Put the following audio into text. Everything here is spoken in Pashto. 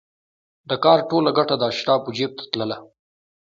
د کار ټوله ګټه د اشرافو جېب ته تلله